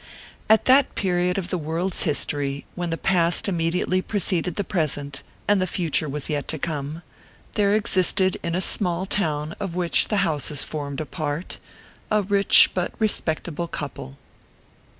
At that period of the world s history when the Past immediately preceded the Present, and the Future was yet to come, there existed in a small town of which the houses formed a part, a rich but respectable couple.